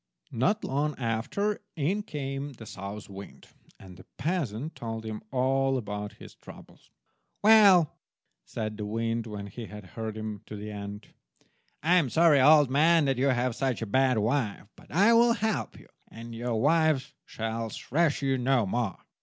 Not long after in came the South wind, and the peasant told him all about his trouble. "Well," said the wind, when he had heard him to an end, "I am sorry, old man, that you have such a bad wife, but I will help you, and your wife shall thrash you no more.